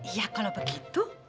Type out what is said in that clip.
iya kalau begitu